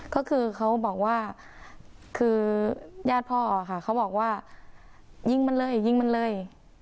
ก็คือเขาบอกว่าคือญาติพ่อค่ะเขาบอกว่ายิงมันเลยยิงมันเลย